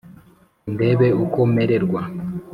Ndebe uko mererwa